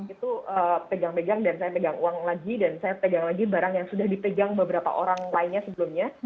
itu pegang pegang dan saya pegang uang lagi dan saya pegang lagi barang yang sudah dipegang beberapa orang lainnya sebelumnya